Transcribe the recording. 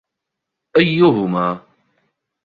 أيّهما؟